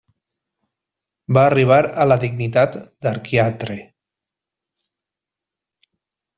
Va arribar a la dignitat d'arquiatre.